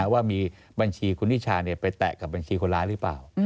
ว่ามีบัญชีคุณนิชาไปแตะกับบัญชีคนร้ายหรือเปล่า